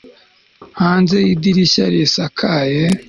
Hanze yidirishya risakaye